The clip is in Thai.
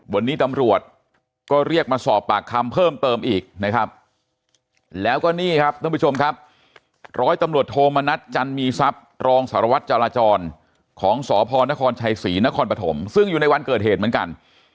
วันนี้ตำรวจก็เรียกมาสอบปากคำเพิ่มเติมอีกนะครับแล้วก็นี่ครับท่านผู้ชมครับร้อยตำรวจโทมนัดจันมีทรัพย์รองสารวัตรจราจรของสพนครชัยศรีนครปฐมซึ่งอยู่ในวันเกิดเหตุเหมือนกัน